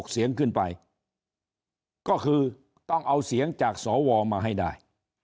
เสียงขึ้นไปก็คือต้องเอาเสียงจากสวมาให้ได้